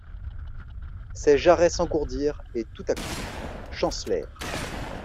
Ses jarrets s'engourdirent, et, tout à coup, chancelèrent.